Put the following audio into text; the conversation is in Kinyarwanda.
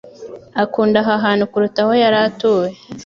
akunda aha hantu kuruta aho yari atuye.